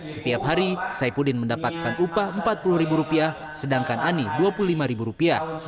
setiap hari saipudin mendapatkan upah rp empat puluh sedangkan ani rp dua puluh lima